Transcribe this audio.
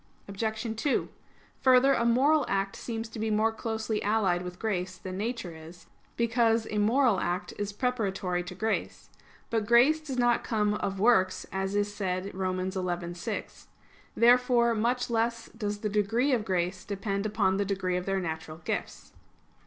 Obj. 2: Further, a moral act seems to be more closely allied with grace than nature is; because a moral act is preparatory to grace. But grace does not come "of works," as is said Rom. 11:6. Therefore much less does the degree of grace depend upon the degree of their natural gifts.